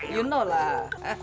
lu tau lah